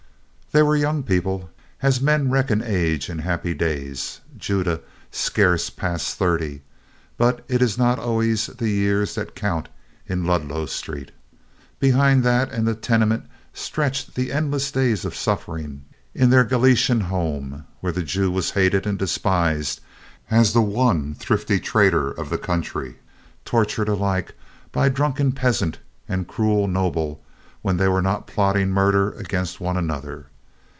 They were young people as men reckon age in happy days, Judah scarce past thirty; but it is not always the years that count in Ludlow Street. Behind that and the tenement stretched the endless days of suffering in their Galician home, where the Jew was hated and despised as the one thrifty trader of the country, tortured alike by drunken peasant and cruel noble when they were not plotting murder against one another.